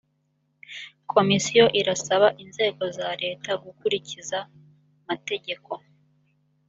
komisiyo irasaba inzego za leta gukurikiza mategeko .